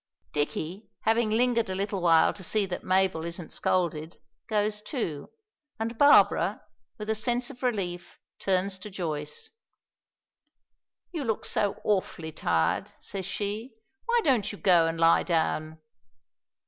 Dicky having lingered a little while to see that Mabel isn't scolded, goes too; and Barbara, with a sense of relief, turns to Joyce. "You look so awful tired," says she. "Why don't you go and lie down?"